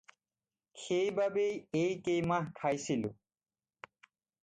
সেইবোৰেই এই কেইমাহ খাইছিল।